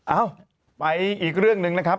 เอ้าไปอีกเรื่องหนึ่งนะครับ